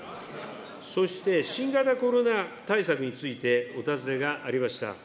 そして、新型コロナ対策についてお尋ねがありました。